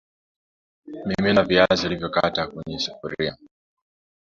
Mimina viazi ulivyokata kwenye sufuria